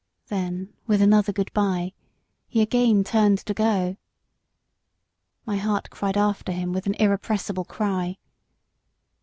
Then with another good bye he again turned to go. My heart cried after him with an irrepressible cry.